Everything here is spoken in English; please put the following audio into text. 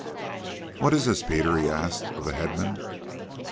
"What is it, Peter?" he asked of the headman.